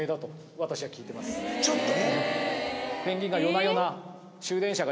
ちょっと。